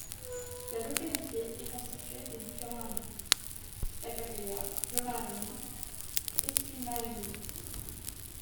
La localité est constituée de différents hameaux: La Capilla, Lo Marín, Espinallillo.